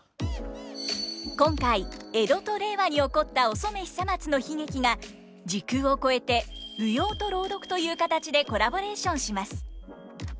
今回江戸と令和に起こったお染久松の悲劇が時空を超えて舞踊と朗読という形でコラボレーションします。